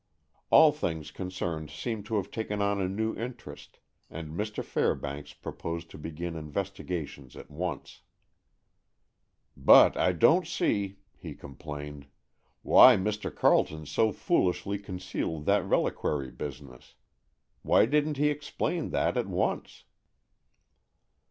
All things concerned seemed to have taken on a new interest, and Mr. Fairbanks proposed to begin investigations at once. "But I don't see," he complained, "why Mr. Carleton so foolishly concealed that reliquary business. Why didn't he explain that at once?"